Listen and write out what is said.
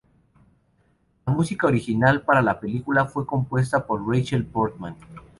La música original para la película fue compuesta por Rachel Portman.